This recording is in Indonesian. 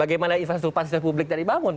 bagaimana infrastruktur fasilitas publik tadi bangun